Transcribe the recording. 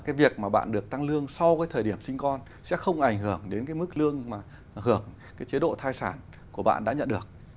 do đó việc mà bạn được tăng lương sau thời điểm sinh con sẽ không ảnh hưởng đến mức lương hưởng chế độ thai sản của bạn đã nhận được